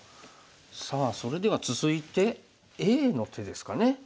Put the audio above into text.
さあそれでは続いてＡの手ですかね。